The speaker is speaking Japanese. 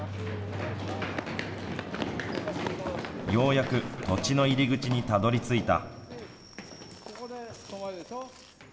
ようやく土地の入り口にたどりついた。